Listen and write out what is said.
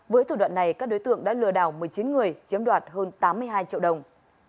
với thủ đoạn này các đối tượng đã lừa đảo một mươi chín người chiếm đoạt hơn tám mươi hai triệu đồng